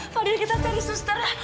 fadil kita tanya susternya